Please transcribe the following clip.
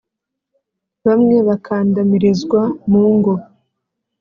bamwe bakandamirizwa mu ngo,